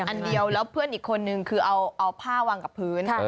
อันเดียวแล้วเพื่อนอีกคนนึงคือเอาผ้าวางกับพื้น